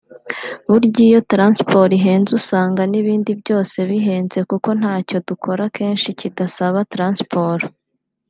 “burya iyo trsnsport ihenze usanga n’ibindi byose bihenze kuko ntacyo dukora kenshi kidasaba transport